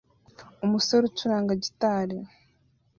Umusore ucuranga gitari